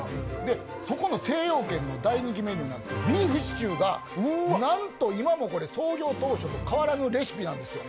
そこの精養軒の大人気メニューなんですけど、ビーフシチューがなんと今も創業当初と変わらぬメニューなんですよ。